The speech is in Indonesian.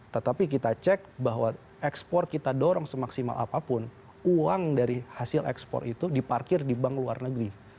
tetapi kita cek bahwa ekspor kita dorong semaksimal apapun uang dari hasil ekspor itu diparkir di bank luar negeri